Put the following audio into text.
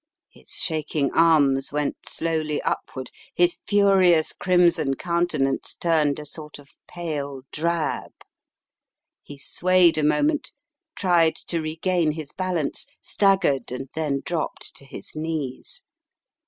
His shaking arms went slowly upward, his furious dHmson countenance turned a sort of pale drab, he swayed a moment, tried to regain his balance, staggered, and then dropped to his knees.